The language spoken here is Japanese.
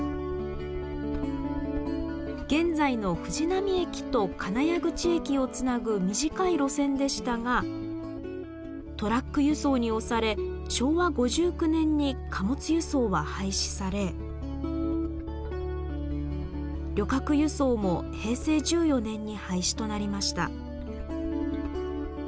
現在の藤並駅と金屋口駅をつなぐ短い路線でしたがトラック輸送に押され昭和５９年に貨物輸送は廃止され旅客輸送も平成１４年に廃止となりました。